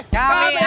kami agen cae